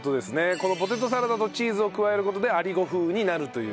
このポテトサラダとチーズを加える事でアリゴ風になるという。